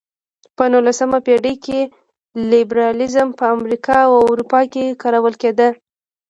په نولسمه پېړۍ کې لېبرالیزم په امریکا او اروپا کې کارول کېده.